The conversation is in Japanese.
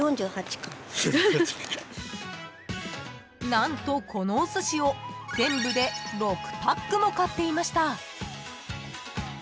［何とこのおすしを全部で６パックも買っていました］